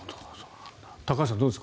高橋さん、どうですか。